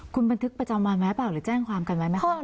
คุณบันทึกประจำวันไว้เปล่าหรือแจ้งความกันไว้ไหมคะ